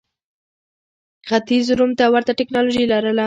ختیځ روم ته ورته ټکنالوژي لرله.